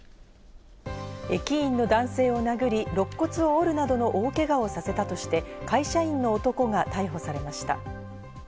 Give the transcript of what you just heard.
駅員の男性を殴り、肋骨を折るなどの大けがをさせたとして、会社員の男が逮捕されました。